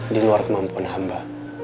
diluar kemampuan hamba